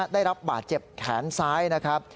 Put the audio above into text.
ได้รับบาดเจ็บแขนซ้ายนะครับ